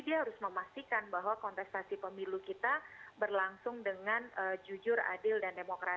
dia harus memastikan bahwa kontestasi pemilu kita berlangsung dengan jujur adil dan demokrat